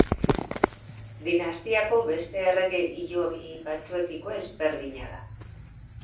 Dinastiako beste errege hilobi batzuekiko ezberdina da.